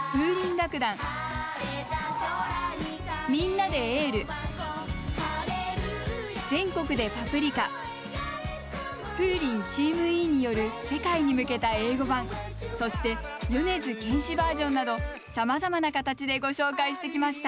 楽団みんなでエール全国でパプリカＦｏｏｒｉｎｔｅａｍＥによる世界に向けた英語版そして米津玄師バージョンなどさまざまな形でご紹介してきました。